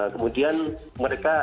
kemudian mereka turun